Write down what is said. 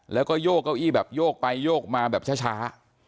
แล้วก็โยกเก้าอี้แบบโยกไปโยกมาแบบช้า